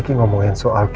siapa tuholesnya riki